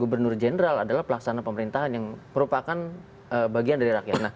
gubernur jenderal adalah pelaksana pemerintahan yang merupakan bagian dari rakyat